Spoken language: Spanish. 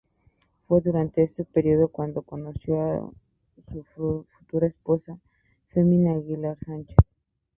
Fue durante este período cuando conoció a su futura esposa, Fermina Aguilar Sánchez.